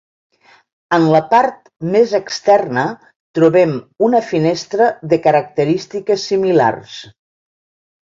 En la part més externa, trobem una finestra de característiques similars.